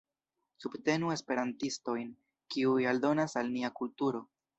Subtenu esperantistojn, kiuj aldonas al nia kulturo.